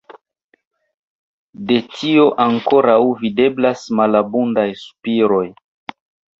De tio ankoraŭ videblas malabundaj spuroj.